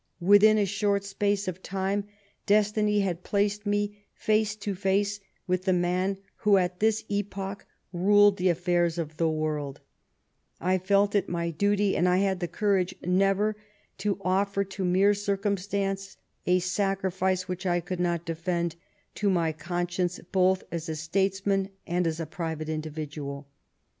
Within a short space of time destiny had placed me face to face with the man who at this epoch ruled the affairs of the world ; I felt it my duty, and I had the courage, never to offer to mere circumstance a sacrifice which I could not defend to my conscience both as a statesman and a private individual.